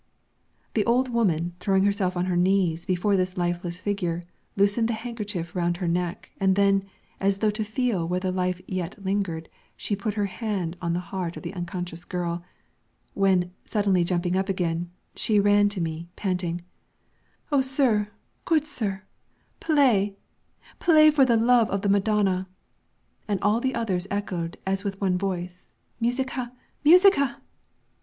The old woman, throwing herself on her knees before this lifeless figure, loosened the handkerchief round her neck, and then, as though to feel whether life yet lingered, she put her hand on the heart of the unconscious girl, when, suddenly jumping up again, she ran to me, panting: "O sir, good sir, play, play for the love of the Madonna!" And the others all echoed as with one voice, "Musica! Musica!"